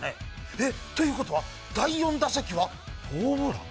えっ、ということは、第４打席はホームラン？